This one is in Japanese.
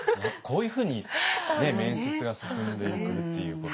こういうふうに面接が進んでいくっていう。